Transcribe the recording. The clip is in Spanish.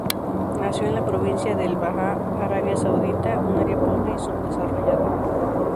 Nació en la Provincia de El Baha, Arabia Saudita, un área pobre y sub-desarrollada.